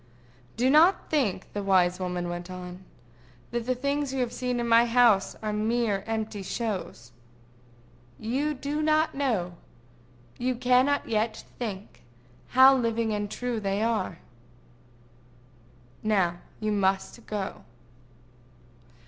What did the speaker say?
"Do not think," the wise woman went on, "that the things you have seen in my house are mere empty shows. You do not know, you cannot yet think, how living and true they are.—Now you must go."